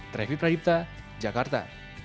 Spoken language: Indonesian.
trevi pradipta jakarta